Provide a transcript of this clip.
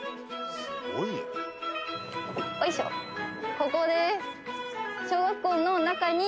ここです。